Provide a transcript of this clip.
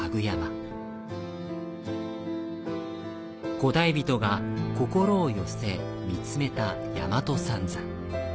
古代人が心を寄せ、見つめた大和三山。